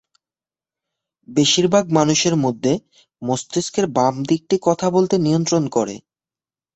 বেশিরভাগ মানুষের মধ্যে মস্তিষ্কের বাম দিকটি কথা বলতে নিয়ন্ত্রণ করে।